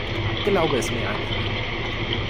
Glaube es mir einfach.